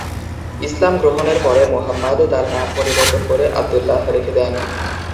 ইসলাম গ্রহণের পরে মুহাম্মাদ তার নাম পরিবর্তন করে আবদুল্লাহ রেখে দেন।